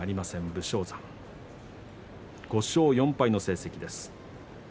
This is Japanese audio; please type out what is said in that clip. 武将山５勝４敗の成績です。